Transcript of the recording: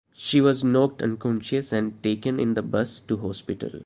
She was knocked unconscious and taken in the bus to hospital.